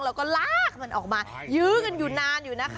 แล้วลากมันออกมายื้องับยานอยู่นะคะ